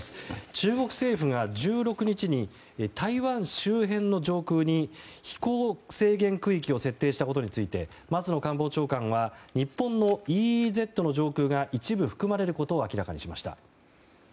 中国政府が１６日に台湾周辺の上空に飛行制限区域を設定したことについて松野官房長官は日本のＥＥＺの状況が一部含まれることを明らかにしました。